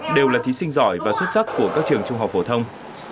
đều là thí sinh giỏi và xuất sắc của các trường trung học phổ thông